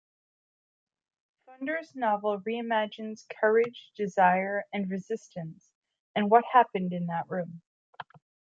Funder's novel reimagines courage, desire and resistance, and what happened in that room.